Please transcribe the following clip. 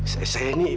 saya ini pembantunya